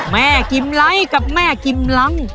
แม่กินไล่กับแม่กินรัง